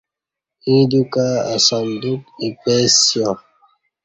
ییں دیوکہ اہ صندوق اِپیسیا